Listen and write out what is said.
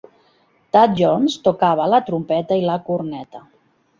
Thad Jones tocava la trompeta i la corneta.